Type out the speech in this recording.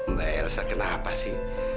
mbak elsa kenapa sih